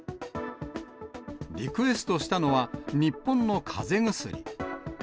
リクエストしたのは、日本のかぜ薬。